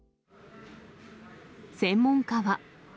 専門家は。